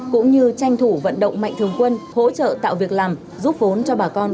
cũng như tranh thủ vận động mạnh thường quân hỗ trợ tạo việc làm giúp vốn cho bà con